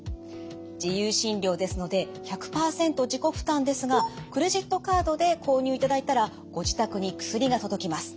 「自由診療ですので１００％自己負担ですがクレジットカードで購入いただいたらご自宅に薬が届きます。